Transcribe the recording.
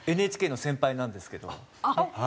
ＮＨＫの先輩なんですけど。